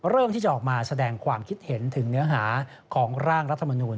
เริ่มที่จะออกมาแสดงความคิดเห็นถึงเนื้อหาของร่างรัฐมนูล